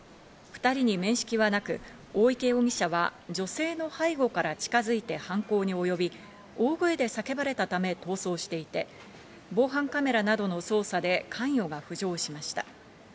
２人に面識はなく、大池容疑者は女性の背後から近づいて犯行に及び、大声で叫ばれたため逃走していて、防犯カメラなどの捜査で関与が浮上しました。